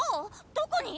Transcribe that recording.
どこに！？